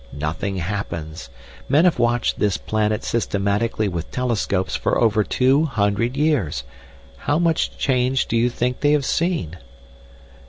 Nothing happens. Men have watched this planet systematically with telescopes for over two hundred years. How much change do you think they have seen?"